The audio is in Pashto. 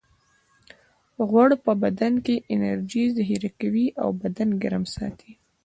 غوړ په بدن کې انرژي ذخیره کوي او بدن ګرم ساتي